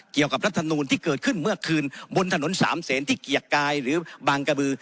เกี่ยวกับรัฐนูนที่เกิดขึ้นเมื่อคืนบนถนนสามเศรษฐ์ที่เกียกกายหรือบางกระบือ